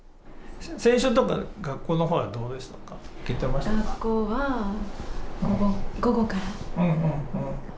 先週とか、学校のほうはどうでしたか、学校は、午後から。